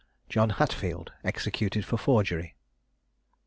JOHN HATFIELD. EXECUTED FOR FORGERY.